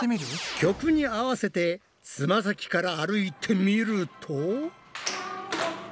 曲に合わせてつま先から歩いてみると。